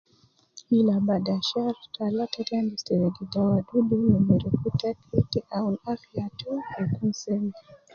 Kila bada shar talata tendis te ruwa fi dawa dudu nyerku taki afiya tou kede kun seme.